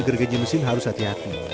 gergaji mesin harus hati hati